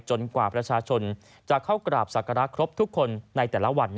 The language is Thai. กว่าประชาชนจะเข้ากราบศักระครบทุกคนในแต่ละวัน